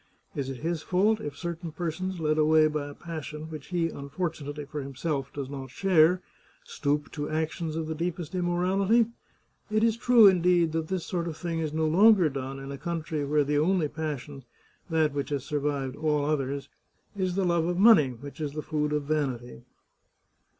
Is it his fault if certain persons, led away by a passion which he, unfortunately for himself, does not share, stoop to actions of the deepest immorality? It is true, indeed, that this sort of thing is no longer done in a country where the only passion — that which has survived all others — is the love of money, which is the food of vanity